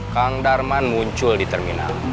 kang darman muncul di terminal